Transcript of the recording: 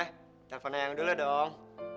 teleponnya yang dulu dong